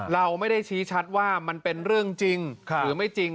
เราไม่ได้ชี้ชัดว่ามันเป็นเรื่องจริงหรือไม่จริง